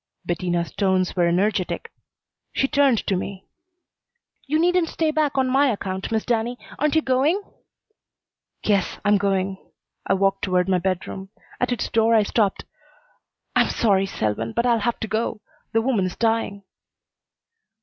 Bettina's tones were energetic. She turned to me. "You needn't stay back on my account, Miss Danny. Aren't you going?" "Yes I'm going." I walked toward my bedroom. At its door I stopped. "I'm sorry, Selwyn, but I'll have to go. The woman is dying."